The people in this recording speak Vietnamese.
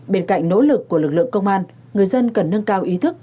bên cạnh nỗ lực của lực lượng công an người dân cần nâng cao ý thức